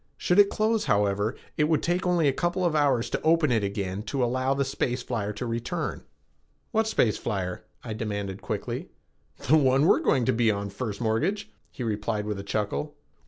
Should it close, however, it would take only a couple of hours to open it again to allow the space flyer to return." "What space flyer?" I demanded quickly. "The one we are going to be on, First Mortgage," he replied with a slight chuckle.